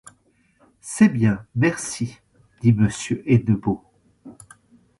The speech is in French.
C’est bien, merci, dit Monsieur Hennebeau.